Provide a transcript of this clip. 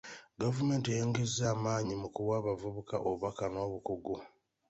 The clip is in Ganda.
Gavumenti eyongezza amaanyi mu kuwa abavubuka obubaka n'obukugu.